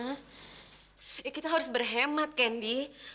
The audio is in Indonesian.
eh kita harus berhemat kendi